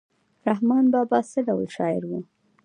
رحمان بابا څه ډول شاعر و؟